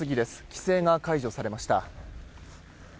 規制が解除されました。